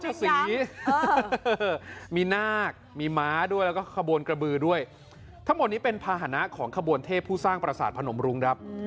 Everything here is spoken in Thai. จาสีเครื่องเลยส่วนพุนกระบือด้วยทั้งหมดนี้เป็นพาหนะของขบวนเทพผู้สร้างปราศาสตร์พนมรุง